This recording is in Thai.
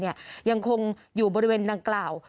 ยังคงอยู่บริเวณดังกล่าว